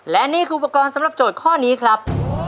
และนี่คืออุปกรณ์สำหรับโจทย์ข้อนี้ครับ